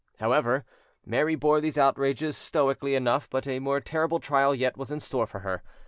However, Mary bore these outrages stoically enough but a more terrible trial yet was in store for her.